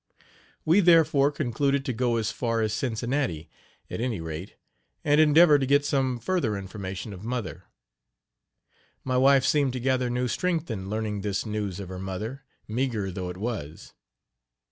We, therefore, concluded to go as far as Cincinnati, at any rate, and endeavor to get some further information of mother. My wife seemed to gather new strength in learning this news of her mother, meager though it was.